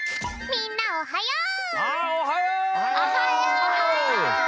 みんなおはよう！